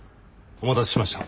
お待たせしました。